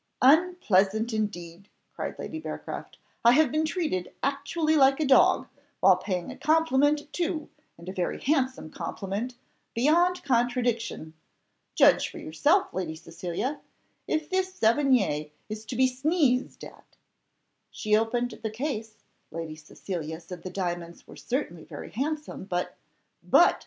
"Unpleasant indeed!" cried Lady Bearcroft; "I have been treated actually like a dog, while paying a compliment too, and a very handsome compliment, beyond contradiction. Judge for yourself, Lady Cecilia, if this Sevigné is to be sneezed at?" She opened the case; Lady Cecilia said the diamonds were certainly very handsome, but "But!"